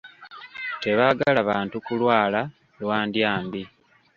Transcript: Tebaagala bantu kulwala lwa ndyambi.